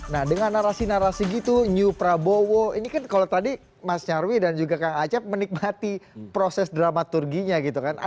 nah dengan narasi narasi gitu new prabowo ini kan kalau tadi mas nyarwi dan juga kang acep menikmati proses dramaturginya gitu kan